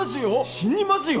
死にますよ